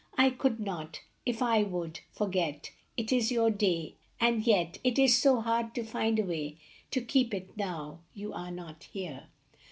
I could not, if I would, forget It is your day ; and yet, and yet It is so hard to find a way To keep it, now you are not here.